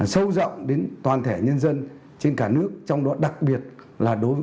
sâu rộng đến toàn thể nhân dân trên cả nước trong đó đặc biệt là đối với